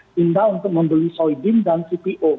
tindak untuk membeli soidin dan cpo